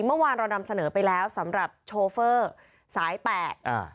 เมื่อวานเรานำเสนอไปแล้วสำหรับโชเฟอร์สายแปดอ่า